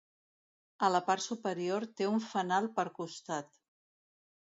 A la part superior té un fanal per costat.